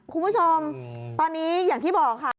คุณผู้ชมตอนนี้อย่างที่บอกค่ะ